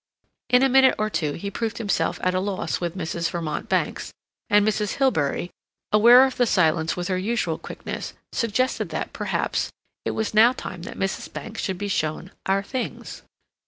In a minute or two he proved himself at a loss with Mrs. Vermont Bankes, and Mrs. Hilbery, aware of the silence with her usual quickness, suggested that, perhaps, it was now time that Mrs. Bankes should be shown "our things."